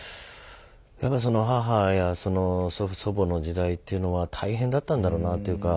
やっぱその母やその祖父祖母の時代というのは大変だったんだろうなというか。